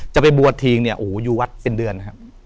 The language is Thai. จะไปบวชทีเนี่ยโอ้โหอยู่วัดเป็นเดือนนะครับ